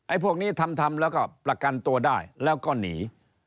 พวกนี้ทำทำแล้วก็ประกันตัวได้แล้วก็หนี